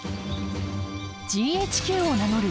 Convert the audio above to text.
ＧＨＱを名乗る